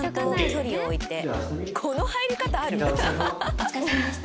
お疲れさまでした。